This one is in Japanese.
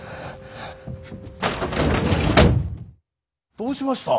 どうしました？